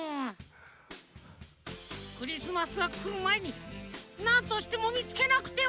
クリスマスがくるまえになんとしてもみつけなくては！